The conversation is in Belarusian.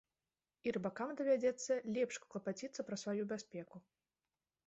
І рыбакам давядзецца лепш клапаціцца пра сваю бяспеку.